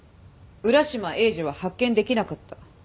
浦島エイジは発見できなかった。